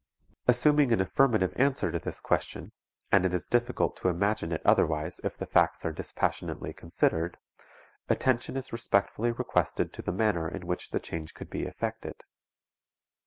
Assuming an affirmative answer to this question, and it is difficult to imagine it otherwise if the facts are dispassionately considered, attention is respectfully requested to the manner in which the change could be effected.